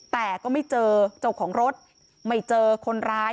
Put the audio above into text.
แต่ก็ไม่เจอเจ้าของรถไม่เจอคนร้าย